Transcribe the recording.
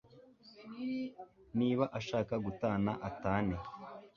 niba ashaka gutana atane